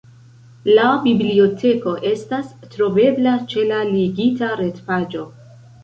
La biblioteko estas trovebla ĉe la ligita retpaĝo.